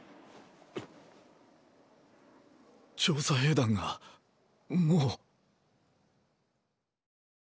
調査兵団がもう⁉